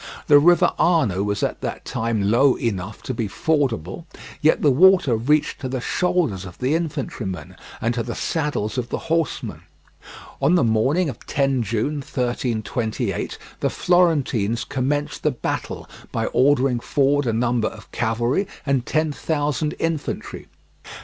The river Arno was at that time low enough to be fordable, yet the water reached to the shoulders of the infantrymen and to the saddles of the horsemen. On the morning of 10 June 1328, the Florentines commenced the battle by ordering forward a number of cavalry and ten thousand infantry.